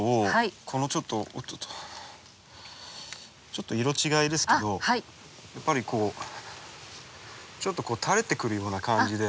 ちょっと色違いですけどやっぱりこうちょっと垂れてくるような感じで。